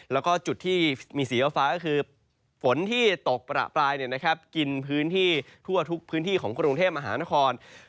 แล้วก็จุดที่มีสีฟ้าก็คือฝนที่ตกประปรายกินพื้นที่ทั่วทุกพื้นที่ของกรุงเทพมหานคร